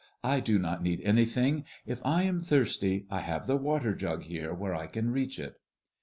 I do not need anything. If I am thirsty, I have the water jug here where I can reach it."